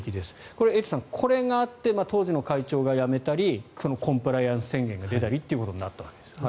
これ、エイトさんこれがあって当時の会長が辞めたりコンプライアンス宣言が出たりということになったわけですよね。